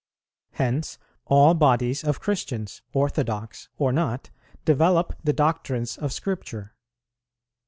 Hence all bodies of Christians, orthodox or not, develope the doctrines of Scripture.